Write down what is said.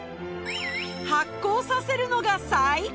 発酵させるのが最高！